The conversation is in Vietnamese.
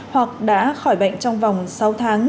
hoặc đã khỏi bệnh trong vòng sáu tháng